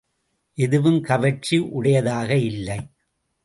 எதுவும் கவர்ச்சி உடையதாக இல்லை.